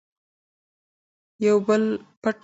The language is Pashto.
یو بل پټ کړئ.